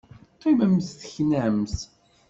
Qqimemt teknamt!